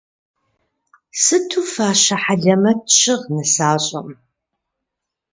Сыту фащэ хьэлэмэт щыгъ нысащӏэм.